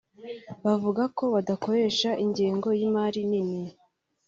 bivuga ko badakoresha ingengo y’imari nini